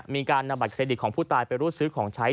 มีการนำบัตรเครดิตของผู้ตายไปรูดซื้อของใช้